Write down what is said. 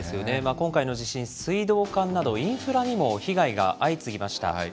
今回の地震、水道管など、インフラにも被害が相次ぎました。